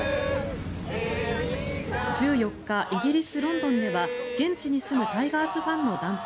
１４日イギリス・ロンドンでは現地に住むタイガースファンの団体